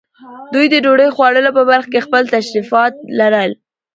دوی د ډوډۍ خوړلو په برخه کې خپل تشریفات لرل.